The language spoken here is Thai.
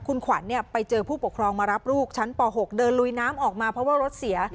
คุณขวัญไปเจอผู้ปกครองมารับลูกชั้นป๖เดินลุยน้ำออกมาเพราะว่ารถเสีย